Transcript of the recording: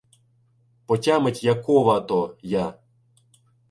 Потямить, якова-то я.